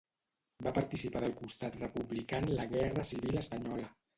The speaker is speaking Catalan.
Va participar del costat republicà en la guerra civil espanyola.